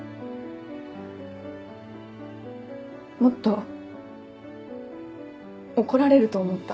もっと怒られると思った。